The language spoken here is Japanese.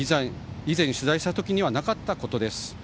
以前、取材したときにはなかったことです。